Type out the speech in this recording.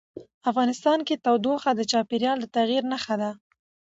افغانستان کې تودوخه د چاپېریال د تغیر نښه ده.